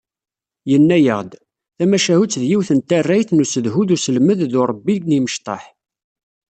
Yenna-aɣ-d: “Tamacahut d yiwet n tarrayt n usedhu d uselmed d urebbi n yimecṭaḥ.”